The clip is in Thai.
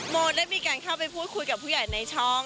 โมได้มีการเข้าไปพูดคุยกับผู้ใหญ่ในช่อง